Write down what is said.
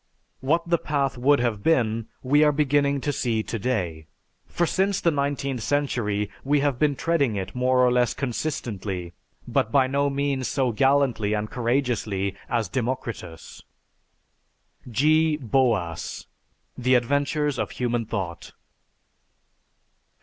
What the path would have been, we are beginning to see to day, for since the nineteenth century we have been treading it more or less consistently but by no means so gallantly and courageously as Democritus." (_G. Boas: "The Adventures of Human Thought."